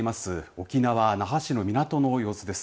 沖縄、那覇市の港の様子です。